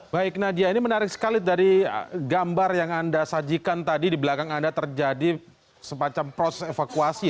baik nadia ini menarik sekali dari gambar yang anda sajikan tadi di belakang anda terjadi semacam proses evakuasi